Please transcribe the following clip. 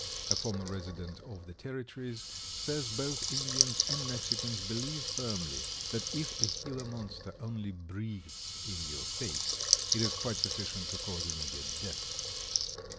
A former resident of the territories says both Indians and Mexicans believe firmly that if a Gila Monster only breathes in your face it is quite sufficient to cause immediate death.